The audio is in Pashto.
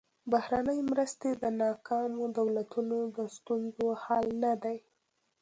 بهرنۍ مرستې د ناکامو دولتونو د ستونزو حل نه دي.